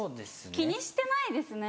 気にしてないですね